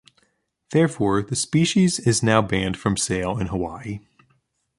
Therefore, the species is now banned from sale in Hawaii.